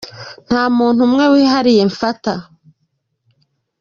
Nta muntu umwe wihariye mfata.